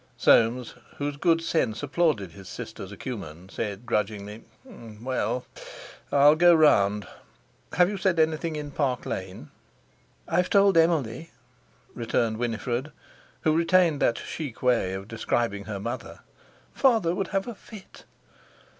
Soames, whose good sense applauded his sister's acumen, said grudgingly: "Well, I'll go round. Have you said anything in Park Lane?" "I've told Emily," returned Winifred, who retained that "chic" way of describing her mother. "Father would have a fit."